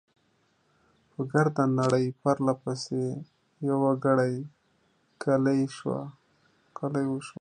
په ګرده نړۍ، پرله پسې، يوه ګړۍ، ګلۍ وشوه .